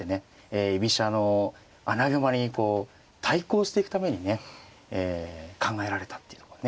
居飛車の穴熊に対抗していくためにね考えられたっていうのもね